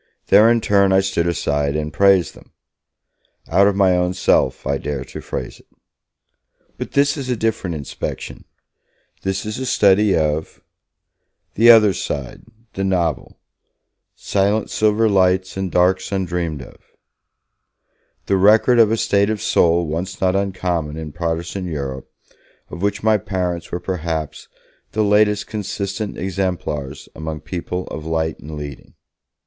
There, in turn, I stood aside and praised them! Out of my own self, I dare to phrase it. But this is a different inspection, this is a study of the other side, the novel Silent silver lights and darks undreamed of, the record of a state of soul once not uncommon in Protestant Europe, of which my parents were perhaps the latest consistent exemplars among people of light and leading.